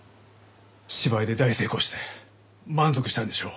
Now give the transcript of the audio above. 芝居で大成功して満足したんでしょう。